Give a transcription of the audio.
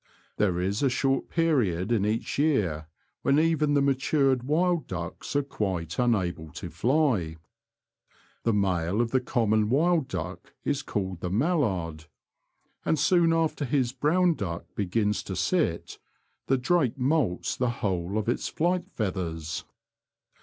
There is a short period in each year when even the matured wild ducks are quite unable to fly. The male of the common wild duck is called the mallard, and soon after his brown duck begins to sit the drake moults the whole of its flight feathers.